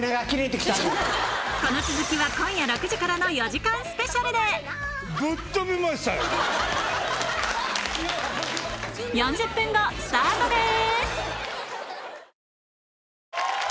この続きは今夜６時からの４時間スペシャルで４０分後スタートです！